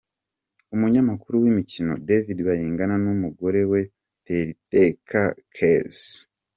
Umunyamakuru w’imikino David Bayingana n’umugore we Teriteka Kezie.